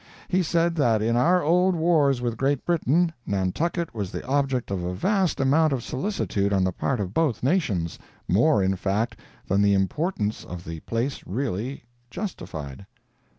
He said that in our old wars with Great Britain, Nantucket was the object of a vast amount of solicitude on the part of both nations—more, in fact, than the importance of the place really justified.